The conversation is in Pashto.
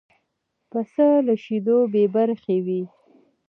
پسه له شیدو بې برخې وي.